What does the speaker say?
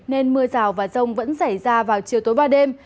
nên mưa rào và rông vẫn xảy ra vào chiều tối và đêm